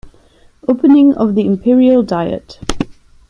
Opening of the Imperial diet.